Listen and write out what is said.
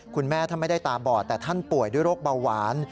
คุณแม่ท่านไม่ได้ตาบอดแต่ท่านป่วยด้วยโรคเบาหวาน